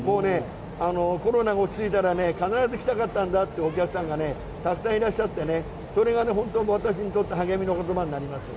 コロナが落ち着いたら必ず来たかったというお客さんがたくさんいらっしゃってね、それが本当に私にとって励みの言葉になります。